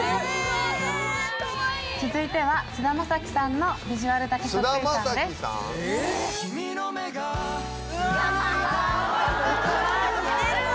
続いては菅田将暉さんのビジュアルだけそっくりさんです。・似てるわ！